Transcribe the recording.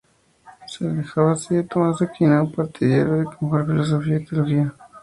Se alejaba así de Tomás de Aquino, partidario de conjugar filosofía y teología.